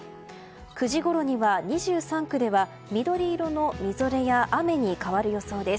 ９時ごろには２３区では、緑色のみぞれや雨に変わる予想です。